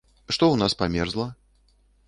Што ў нас памерзла?